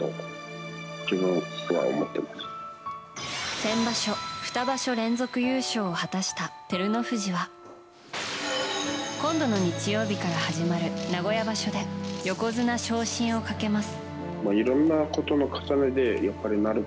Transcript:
先場所、２場所連続優勝を果たした照ノ富士は今度の日曜日から始まる名古屋場所で横綱昇進をかけます。